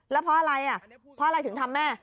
แล้วเพราะอะไรพออะไรถึงทำแม่